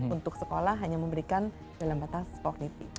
untuk sekolah hanya memberikan dalam batas kogniti